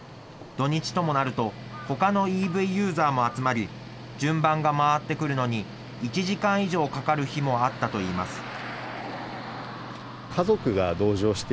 土日ともなると、ほかのＥＶユーザーも集まり、順番が回ってくるのに１時間以上かかる日もあったといいます。